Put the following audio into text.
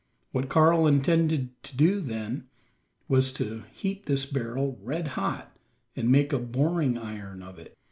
What Karl intended to do, then, was to heat this barrel red hot, and make a boring iron of it.